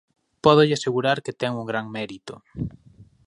Pódolle asegurar que ten un gran mérito.